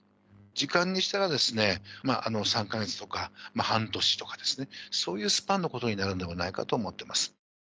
時間にしたら３か月とか、半年とか、そういうスパンのことになるのではないかと思っています。